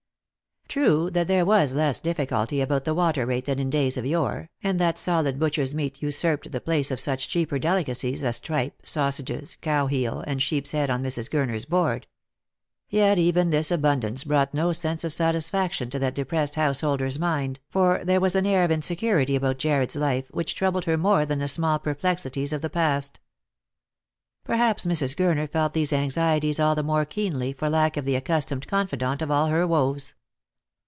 True that there was less difficulty about the water rate than in days of yore, and that solid butcher's meat usurped the place of such cheaper delicacies as tripe, sausages, cowheel, and sheep's head on Mrs. Gurner's board. Yet even this abundance brought no sense of satisfaction to that depressed householder's mind, for there was an air of insecurity about Jarred's life which troubled her more than the small perplexities of the past. Perhaps Mrs. Gurner felt these anxieties all the more keenly for lack of the accustomed confidante of all her woes.